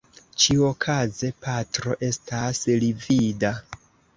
Ĉiuokaze, Patro estas livida.